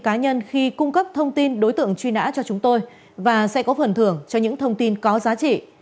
cá nhân khi cung cấp thông tin đối tượng truy nã cho chúng tôi và sẽ có phần thưởng cho những thông tin có giá trị